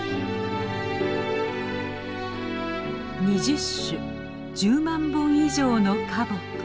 ２０種１０万本以上の花木。